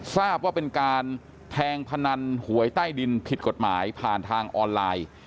ทราบว่าเป็นการแทงพนันหวยใต้ดินผิดกฎหมายผ่านทางออนไลน์